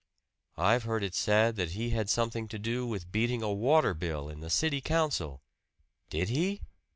"I've heard it said that he had something to do with beating a water bill in the city council. Did he?"